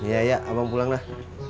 ya ya abang pulang dah